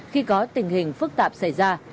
khi có tình hình phức tạp xảy ra